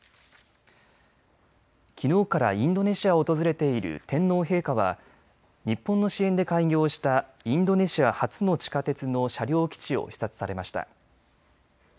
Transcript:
きのうからインドネシアを訪れている天皇陛下は日本の支援で開業したインドネシア初の地下鉄の車両基地を視察されました。